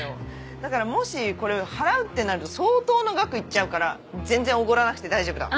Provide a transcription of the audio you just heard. だからもしこれを払うってなると相当の額いっちゃうから全然おごらなくて大丈夫だわ。